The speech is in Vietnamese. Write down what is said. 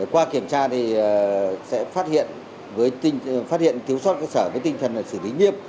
qua kiểm tra thì sẽ phát hiện thiếu sót cơ sở với tinh thần xử lý nghiêm